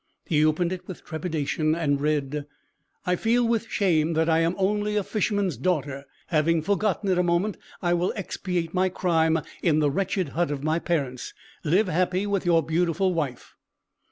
He opened it with trepidation and read, "I feel with shame that I am only a fisherman's daughter. Having forgotten it a moment, I will expiate my crime in the wretched hut of my parents. Live happy with your beautiful wife!"